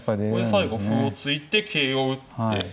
最後歩を突いて桂を打って。